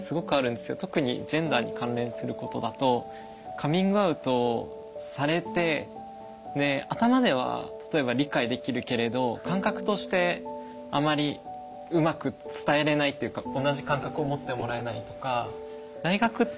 カミングアウトされて頭では例えば理解できるけれど感覚としてあまりうまく伝えれないっていうか同じ感覚を持ってもらえないとか。